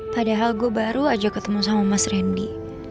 padahal gue baru aja ketemu sama mas randy